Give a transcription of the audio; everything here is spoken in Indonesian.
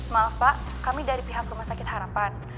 maaf pak kami dari pihak rumah sakit harapan